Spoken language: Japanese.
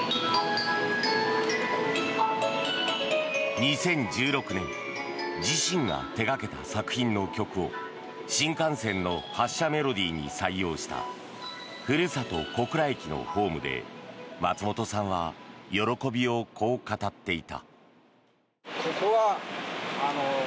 ２０１６年自身が手掛けた作品の曲を新幹線の発車メロディーに採用したふるさと、小倉駅のホームで松本さんは喜びをこう語っていた。